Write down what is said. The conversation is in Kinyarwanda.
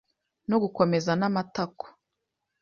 no gukomeza n’amatako